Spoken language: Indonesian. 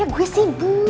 ya gue sibuk